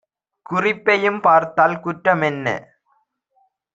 குறிப்பையும் பார்த்தால் குற்ற மென்ன?"